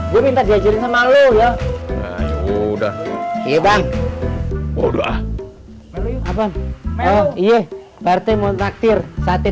gue minta diajuri sama lu ya udah iya bang udah abang oh iya berarti mau takdir sate